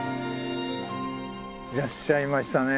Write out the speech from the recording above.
いらっしゃいましたね。